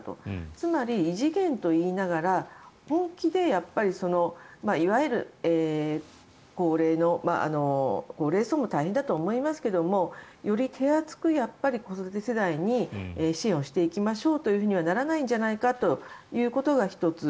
つまり、異次元といいながら本気でいわゆる高齢層も大変だと思いますがより手厚く、子育て世代に支援をしていきましょうとはならないんじゃないかということが１つ。